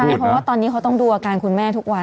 ใช่เพราะว่าตอนนี้เขาต้องดูอาการคุณแม่ทุกวัน